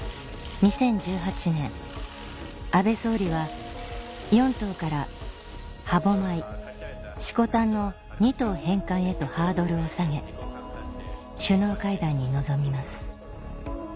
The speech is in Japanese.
２０１８年安倍総理は４島から歯舞色丹の２島返還へとハードルを下げ首脳会談に臨みます